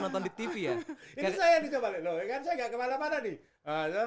loh kan saya gak kemana mana nih